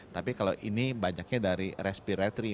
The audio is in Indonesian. tapi kalau ini banyaknya dari respiratory